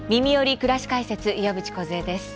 くらし解説」岩渕梢です。